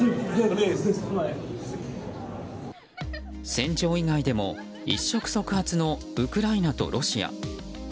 戦場以外でも一触即発のウクライナとロシア。